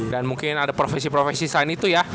dan mungkin ada profesi profesi selain itu ya